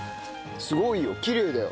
すごいよきれいだよ。